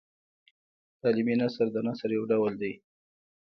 تعلیمي نثر د نثر یو ډول دﺉ.